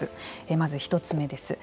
まず、１つ目です。